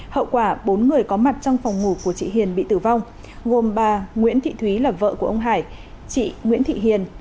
hậu quả bốn người có mặt trong phòng ngủ của chị hiền bị tử vong gồm bà nguyễn thị thúy là vợ của ông hải chị nguyễn thị hiền